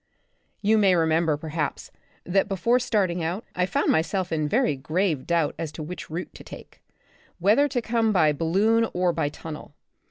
You may remember, perhaps, that before starting I found myself in very grave doubt as to which route to take — whether to come by balloon or by tunnel.